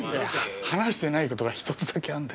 話してない事が１つだけあるんだ。